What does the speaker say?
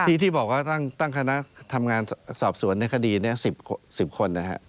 ที่ที่บอกว่าตั้งคณะทำงานสอบสวนในคดีนี้๑๐คนนะฮะ